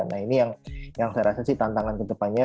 nah ini yang saya rasa sih tantangan kedepannya